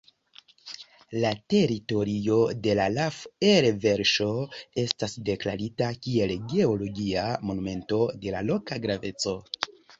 La teritorio de la laf-elverŝo estas deklarita kiel geologia monumento de la loka graveco.